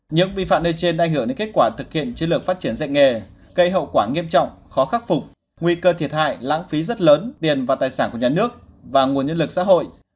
những vi phạm nêu trên ảnh hưởng đến kết quả thực hiện chiến lược phát triển dạy nghề gây hậu quả nghiêm trọng khó khắc phục nguy cơ thiệt hại lãng phí rất lớn tiền và tài sản của nhà nước và nguồn nhân lực xã hội